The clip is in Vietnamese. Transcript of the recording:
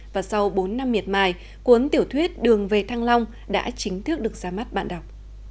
và sau bốn năm miệt mài cuốn tiểu thuyết đường về thăng long đã chính thức được ra mắt bạn đọc